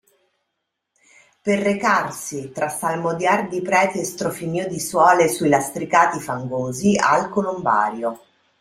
Per recarsi, tra salmodiar di preti e strofinio di suole sui lastricati fangosi, al Colombario.